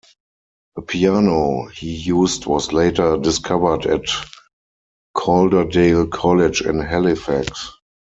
A piano he used was later discovered at Calderdale College in Halifax.